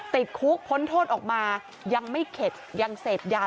ติดคุกพ้นโทษออกมายังไม่เข็ดยังเสพยา